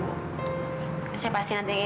saya pasti nanti akan mencari amira